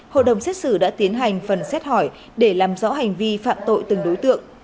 hội đồng xét xử đã tiến hành phần xét hỏi để làm rõ hành vi phạm tội từng đối tượng